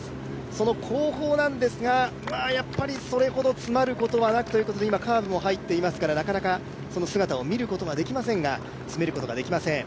その後方ですが、それほど詰まることはなくということで今、カーブも入っていますから、なかなかその姿を見ることはできませんが、詰めることができません。